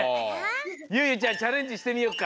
ゆうゆちゃんチャレンジしてみようか。